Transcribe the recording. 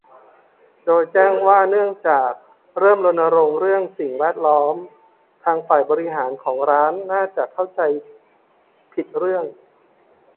โดยแจ้งว่าเนื่องจาก "เริ่มรณรงค์เรื่องสิ่งแวดล้อม" ทางฝ่ายบริหารของร้านน่าจะเข้าใจผิดเรื่อง